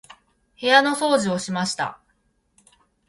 部屋の掃除をしました。